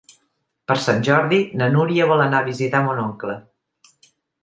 Per Sant Jordi na Núria vol anar a visitar mon oncle.